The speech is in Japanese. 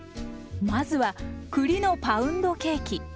まずは栗のパウンドケーキ。